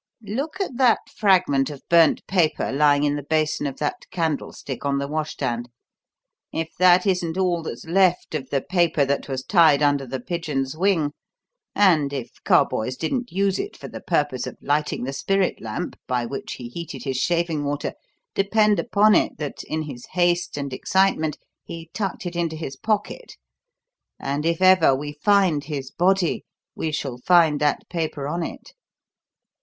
Look at that fragment of burnt paper lying in the basin of that candlestick on the washstand. If that isn't all that's left of the paper that was tied under the pigeon's wing, and if Carboys didn't use it for the purpose of lighting the spirit lamp by which he heated his shaving water, depend upon it that, in his haste and excitement, he tucked it into his pocket, and if ever we find his body we shall find that paper on it."